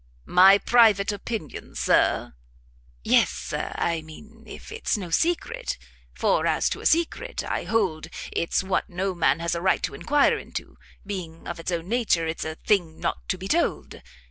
"My private opinion, Sir?" "Yes, Sir; I mean if it's no secret, for as to a secret, I hold it's what no man has a right to enquire into, being of its own nature it's a thing not to be told.